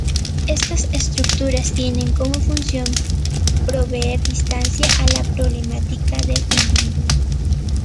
Estas estructuras tienen como función proveer distancia a la problemática del individuo.